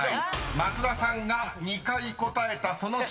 松田さんが２回答えたその瞬間